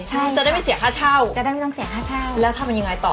ใช่จะได้ไม่เสียค่าเช่าจะได้ไม่ต้องเสียค่าเช่าแล้วทำมันยังไงต่อ